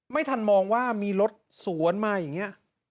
ไม่ทันมองว่ามีรถสวนมาอย่างนี้